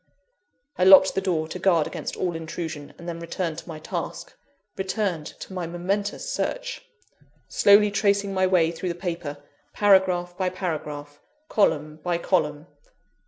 I locked the door to guard against all intrusion, and then returned to my task returned to my momentous search slowly tracing my way through the paper, paragraph by paragraph, column by column.